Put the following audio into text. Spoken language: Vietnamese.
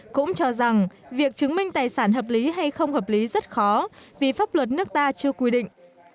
cũng cho rằng việc chứng minh tài sản hợp lý hay không hợp lý rất khó vì pháp luật nước ta chưa quy định